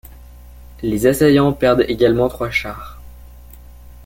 Les assaillants perdent également trois chars.